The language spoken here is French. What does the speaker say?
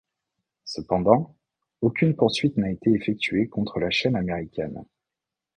Cependant, aucune poursuite n'a été effectuée contre la chaîne américaine.